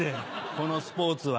この「スポーツ」は。